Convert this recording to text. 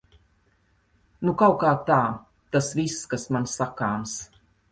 Nu kautkā tā. Tas viss, kas man sakāms.